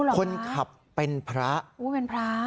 คนขับเป็นพระเป็นพระ